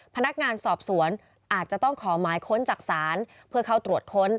พนักงานสอบสวนอาจจะต้องขอหมายค้นจากศาลเพื่อเข้าตรวจค้น